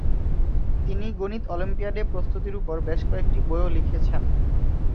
তিনি গণিত অলিম্পিয়াডে প্রস্তুতির ওপর বেশ কয়েকটি বইও লিখেছেন।